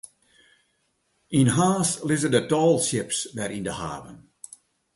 Yn Harns lizze de tallships wer yn de haven.